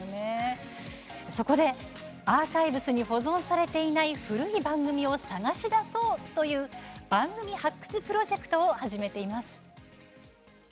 そこでアーカイブスに保存されていない古い番組を探し出そうという「番組発掘プロジェクト」を始めています。